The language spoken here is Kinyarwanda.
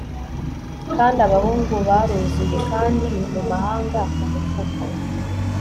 kandi abahungu baruzuye kandi mumahanga kumufuka